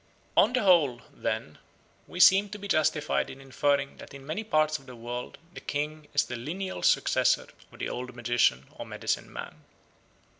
On the whole, then, we seem to be justified in inferring that in many parts of the world the king is the lineal successor of the old magician or medicine man.